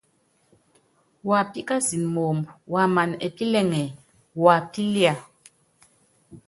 Wapíkasɛn moomb waman ɛpílɛŋɛ wapíli.